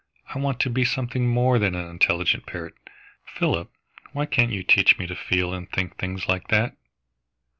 I want to be something more than an intelligent parrot, Philip. Why can't you teach me to feel and think things like that?"